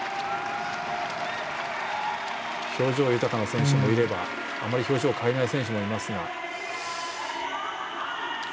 表情が豊かな選手もいればあまり表情を変えない選手もいますが。